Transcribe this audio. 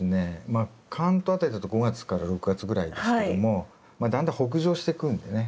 まあ関東辺りだと５月から６月ぐらいですけどもだんだん北上してくんでね